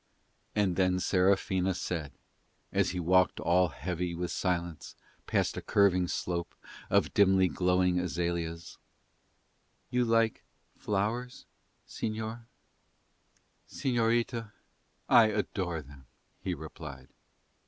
And then Serafina said, as he walked all heavy with silence past a curving slope of dimly glowing azaleas, "You like flowers, señor?" "Señorita, I adore them," he replied.